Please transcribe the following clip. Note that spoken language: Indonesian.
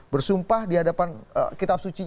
bersumpah di hadapan kitab suci